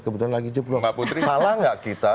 kebetulan lagi jeblok salah gak kita